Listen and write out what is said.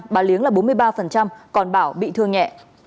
bà liếng là bốn mươi ba còn bảo bị thương nhẹ